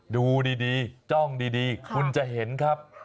ดูดีจ้องดีคุณจะเห็นครับ